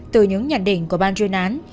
từ những nhận định của bàn truyền án